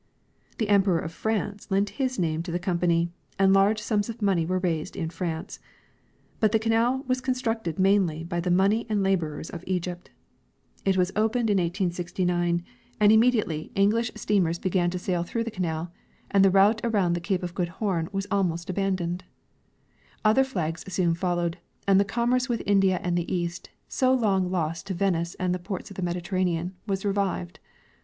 The emperor of France lent his name to the company, and large sums of money were raised in France ; but the canal Avas constructed mainly by the money and laborers of Egypt. It Avas opened in 1869, and immediately English 2— Nat. GF.nn. Mag , vor.. I^^ lSO 2. ' 10 G. G. Hubbard — TJie Evolution of Commerce. steamers began to sail through the canal, and the route around the cape of Good Hope was almost abandoned. Other flags soon followed, and the commerce with India and the east, so long lost to Venice and the ports of the Mediterranean, was revived.